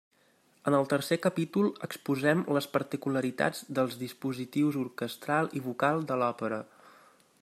En el tercer capítol exposem les particularitats dels dispositius orquestral i vocal de l'òpera.